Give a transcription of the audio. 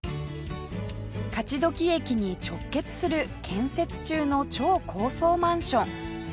勝どき駅に直結する建設中の超高層マンション